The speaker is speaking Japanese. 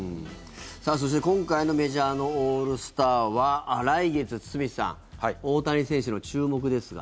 そして今回のメジャーのオールスターは来月堤さん、大谷選手の注目ですが。